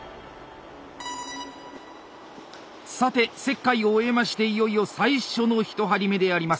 さて切開を終えましていよいよ最初の１針目であります。